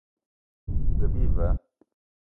G-beu bi va.